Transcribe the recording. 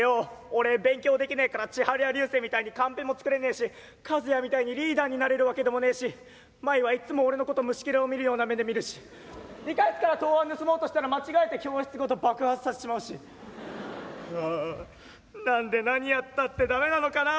俺勉強できねえからチハルやリュウセイみたいにカンペも作れねえしカズヤみたいにリーダーになれるわけでもねえしマイはいっつも俺のこと虫ケラを見るような目で見るし理科室から答案盗もうとしたら間違えて教室ごと爆発させちまうしはあ何で何やったって駄目なのかな